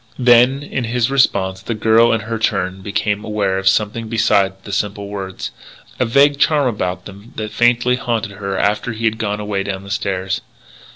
Then, in his response, the girl in her turn became aware of something beside the simple words a vague charm about them that faintly haunted her after he had gone away down the stairs.